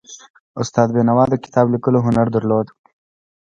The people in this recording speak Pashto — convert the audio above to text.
استاد بینوا د کتاب لیکلو هنر درلود.